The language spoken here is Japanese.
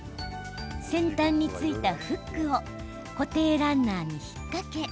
先端についたフックを固定ランナーに引っ掛け